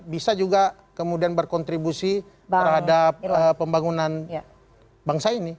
bisa juga kemudian berkontribusi terhadap pembangunan bangsa ini